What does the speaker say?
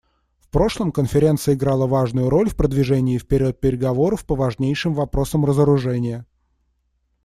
В прошлом Конференция играла важную роль в продвижении вперед переговоров по важнейшим вопросам разоружения.